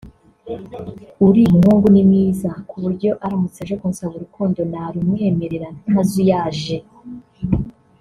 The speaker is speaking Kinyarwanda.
uriya muhungu ni mwiza kuburyo aramutse aje kunsaba urukundo narumwemerera ntazuyaje